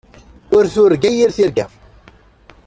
Ur turga yir tirga.